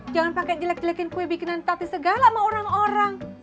jangan pakai jelek jelekin kue bikinan tati segala sama orang orang